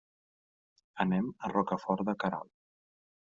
Anem a Rocafort de Queralt.